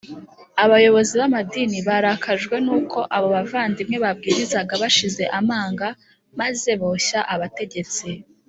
Abayobozi b amadini barakajwe n uko abo bavandimwe babwirizaga bashize amanga maze boshya abategetsi